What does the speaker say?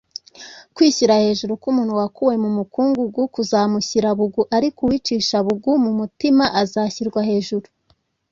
kwishyira hejuru k umuntu wakuwe mu mukungugu kuzamucisha bugu ariko uwicisha bugu mu mutima azashyirwa hejuru